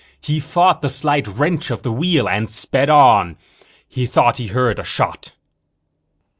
He fought the slight wrench of the wheel and sped on. He thought he heard a shot.